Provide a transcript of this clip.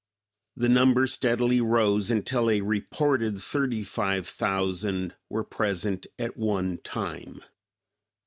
The number steadily rose until a reported thirty five thousand were present at one time.